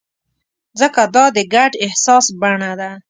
ځکه دا د ګډ احساس بڼه ده.